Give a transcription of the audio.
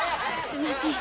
すんません。